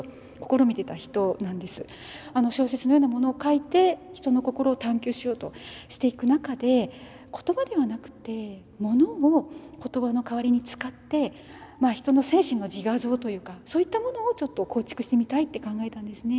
小説のようなものを書いて人の心を探求しようとしていく中で言葉ではなくて物を言葉の代わりに使ってまあ人の精神の自画像というかそういったものをちょっと構築してみたいって考えたんですね。